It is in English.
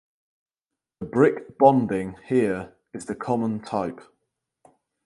The brick bonding here is the common type.